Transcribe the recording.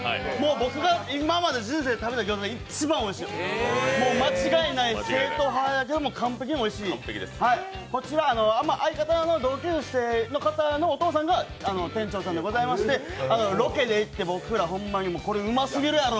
僕が今まで人生食べたギョーザの中で一番おいしいです、もう間違いない、正統派で完璧においしい相方の同級生の方のお父さんが店長さんでございまして、ロケで行って僕ら、これ、うますぎるやろ！